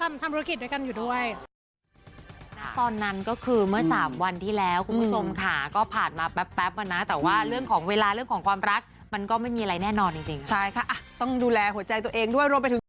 ไม่เบื่อเพราะว่าทำธุรกิจด้วยกันอยู่ด้วย